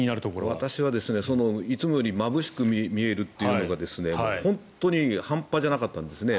私は、いつもよりまぶしく見えるというのがもう本当に半端じゃなかったんですね。